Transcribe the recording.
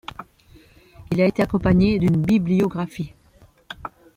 Il a été accompagné d'une bibliographie.